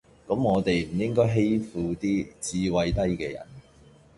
咁我地唔應該欺負啲智慧低嘅人